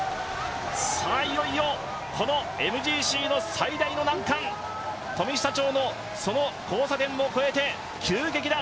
いよいよＭＧＣの最大の難関富久町の交差点も越えて急激な